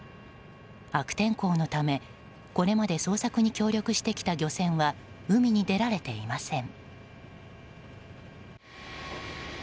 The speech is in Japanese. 悪天候のため、これまで捜索に協力してきた漁船は海に出られていません。